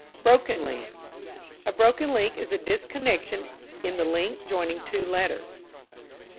Broken link. A broken link is a disconnection in the link joining two letters.